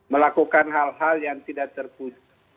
melakukan hal hal yang tidak terputus